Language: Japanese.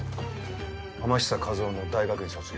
天久一魚の大学院卒業は？